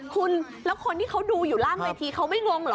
คุณแล้วคนที่เขาดูอยู่ล่างเวทีเขาไม่งงเหรอ